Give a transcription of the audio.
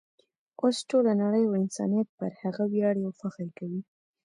اوس ټوله نړۍ او انسانیت پر هغه ویاړي او فخر کوي.